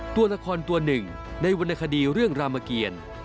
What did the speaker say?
ตัวละครตัวหนึ่งในวรรณคดีเรื่องรามเกียร